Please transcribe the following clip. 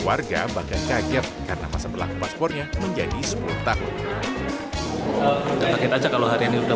warga bahkan kaget karena masa berlaku paspornya menjadi sepuluh tahun datangin aja kalau hari ini udah